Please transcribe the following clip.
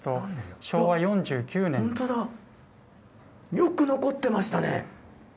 よく残ってましたね！